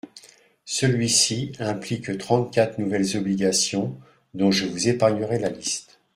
Celui-ci implique trente-quatre nouvelles obligations, dont je vous épargnerai la liste.